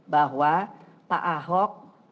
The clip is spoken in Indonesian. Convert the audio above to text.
bahwa pak ahok